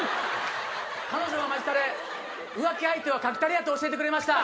彼女の間近で浮気相手はかきタレやと教えてくれました。